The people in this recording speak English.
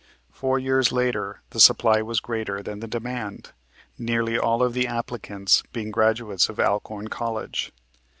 Four years later the supply was greater than the demand, nearly all of the applicants being graduates of Alcorn College.